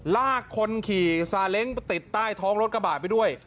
ลากคนขี่ซาเล้งไปติดใต้ท้องรถกระบาดไปด้วย